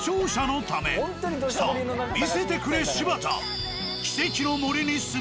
さあ見せてくれ柴田。